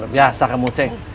luar biasa kamu ceng